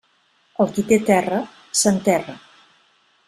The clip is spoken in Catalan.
El qui té terra, s'enterra.